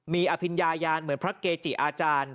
มีอภิญญายานเหมือนพระเกจิอาจารย์